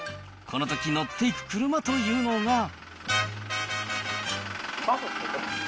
このとき乗っていく車というのが。